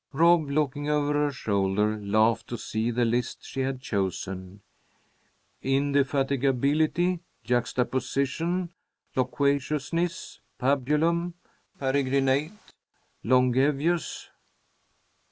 Rob, looking over her shoulder, laughed to see the list she had chosen: "Indefatigability, Juxtaposition, Loquaciousness, Pabulum, Peregrinate, Longevous."